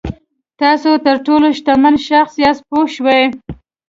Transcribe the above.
تاسو تر ټولو شتمن شخص یاست پوه شوې!.